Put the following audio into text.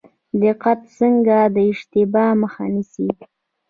دقت څنګه د اشتباه مخه نیسي؟